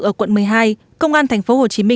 ở quận một mươi hai công an tp hcm